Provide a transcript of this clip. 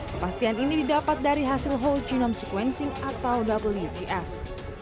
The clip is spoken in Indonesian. kepastian ini didapat dari hasil whole genome sequencing atau wgs